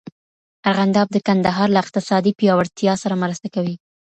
ارغنداب د کندهار له اقتصادي پیاوړتیا سره مرسته کوي.